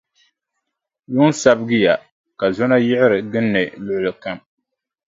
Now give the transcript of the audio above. Yuŋ sabigiya, ka zɔna yiɣiri gindi luɣili kam.